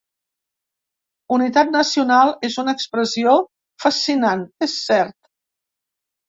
Unitat nacional és una expressió fascinant, és cert.